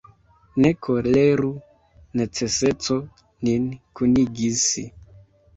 Ne koleru: neceseco nin kunigis!